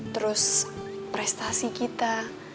terus prestasi kita